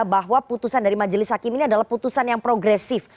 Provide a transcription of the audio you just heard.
bahwa putusan dari majelis hakim ini adalah putusan yang progresif